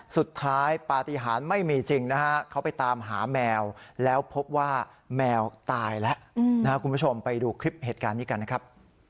สุดท้ายปฏิหารไม่มีจริงนะฮะเขาไปตามหาแมวแล้วพบว่าแมวตายแล้วนะครับคุณผู้ชมไปดูคลิปเหตุการณ์นี้กันนะครับ